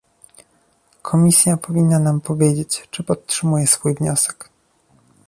Komisja powinna nam powiedzieć, czy podtrzymuje swój wniosek